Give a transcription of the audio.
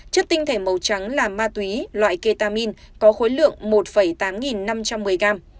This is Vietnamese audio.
chất tinh thể màu trắng là ma túy loại ketamin có khối lượng một tám nghìn năm trăm một mươi gram